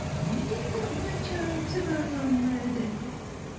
"Me gotten a childt to thy landlady